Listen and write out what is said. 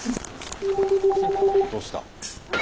☎どうした？